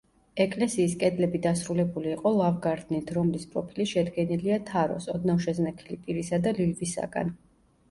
ეკლესიის კედლები დასრულებული იყო ლავგარდნით, რომლის პროფილი შედგენილია თაროს, ოდნავ შეზნექილი პირისა და ლილვისაგან.